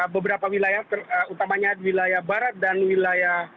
beberapa wilayah utamanya wilayah barat dan wilayah